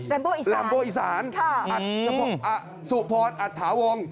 ฮะลัมโบอิสานค่ะอ่ะถูกพอดอัดถาวง